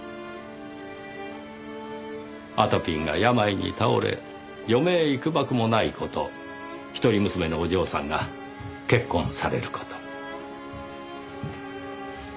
あとぴんが病に倒れ余命いくばくもない事一人娘のお嬢さんが結婚される事。